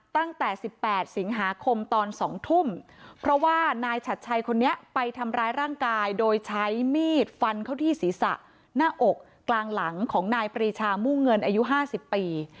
ตั้งแต่๑๘สิงหาคมตอน๒ทุ่มเพราะว่านายฉัดชัยคนนี้ไปทำร้ายร่างกายโดยใช้มีดฟันเข้าที่ศีรษะหน้าอกกลางหลังของนายปรีชามุ่งเงินอายุ๕๐ปี